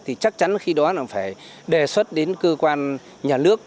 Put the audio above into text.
thì chắc chắn khi đó là phải đề xuất đến cơ quan nhà nước